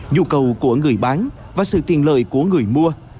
nhu cầu của người bán và sự tiền lợi của người mua